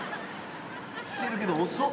来てるけど、遅っ！